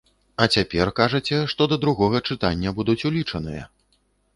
А цяпер кажаце, што да другога чытання будуць улічаныя.